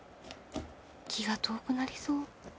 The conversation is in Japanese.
気が遠くなりそう。